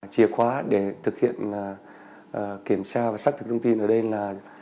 chìa khóa để thực hiện kiểm tra và xác thực thông tin ở đây là